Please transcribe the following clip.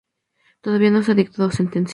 Todavía no se ha dictado sentencia.